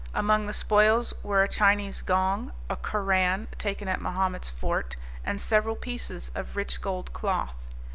Among the spoils were a Chinese gong, a Koran, taken at Mahomet's fort, and several pieces of rich gold cloth.